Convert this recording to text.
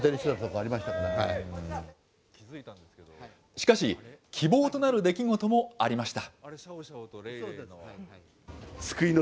しかし、希望となる出来事もありました。